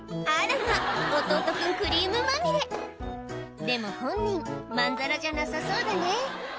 まぁ弟君クリームまみれでも本人まんざらじゃなさそうだね